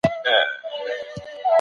څه عاشقانه څه مستانه څه رندانه غزل